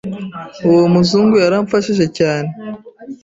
Uwo muzungu yaramfashije cyane